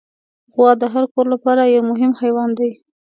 غوا د هر کور لپاره یو مهم حیوان دی.